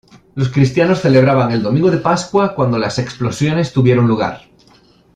Los cristianos celebraban el domingo de pascua cuando las explosiones tuvieron lugar.